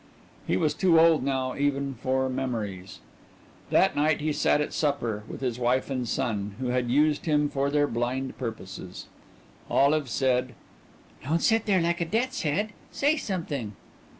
He was too old now even for memories. That night he sat at supper with his wife and son, who had used him for their blind purposes. Olive said: "Don't sit there like a death's head. Say something."